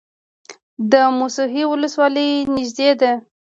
د موسهي ولسوالۍ نږدې ده